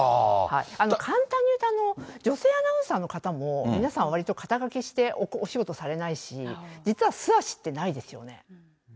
簡単に言うと、女性アナウンサーの方も皆さんわりと肩掛けしてお仕事されないし、ないですね。